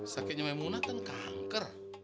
sakitnya memunakan kanker